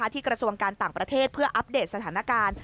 กระทรวงการต่างประเทศเพื่ออัปเดตสถานการณ์